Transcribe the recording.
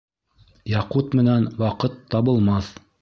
Яҡут менән ваҡыт табылмаҫ